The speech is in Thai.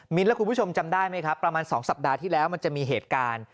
และคุณผู้ชมจำได้ไหมครับประมาณ๒สัปดาห์ที่แล้วมันจะมีเหตุการณ์